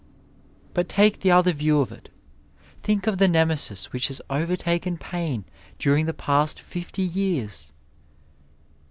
But take the other view of it — ^think of the Nemesis which has over taken pain during the past fifty years